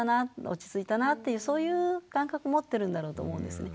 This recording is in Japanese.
落ち着いたなっていうそういう感覚持ってるんだろうと思うんですね。